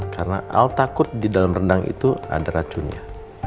karena al takut di dalam rendang itu ada racunnya